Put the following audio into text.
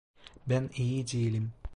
Ben iyi değilim.